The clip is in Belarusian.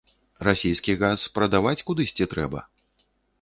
Расійскі газ прадаваць кудысьці трэба.